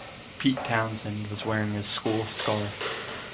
Pete Townshend was wearing his school scarf.